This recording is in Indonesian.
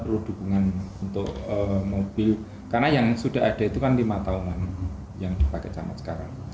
perlu dukungan untuk mobil karena yang sudah ada itu kan lima tahunan yang dipakai camat sekarang